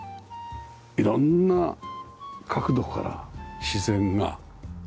色んな角度から自然が。